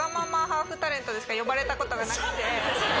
でしか呼ばれたことがなくて。